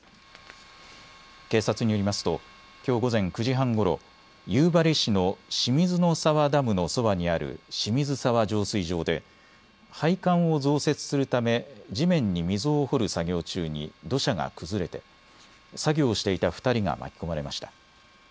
警察によりますときょう午前９時半ごろ、夕張市の清水沢ダムのそばにある清水沢浄水場で配管を増設するため地面に溝を掘る作業中に土砂が崩れて作業をしていた２人が巻き込まれました。